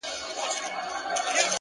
هر منزل د بل سفر پیل وي.!